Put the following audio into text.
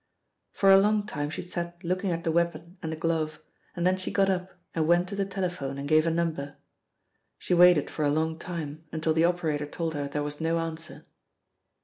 For a long time she sat looking at the weapon and the glove, and then she got up and went to the telephone and gave a number. She waited for a long time, until the operator told her there was no answer.